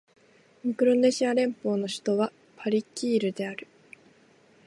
ミクロネシア連邦の首都はパリキールである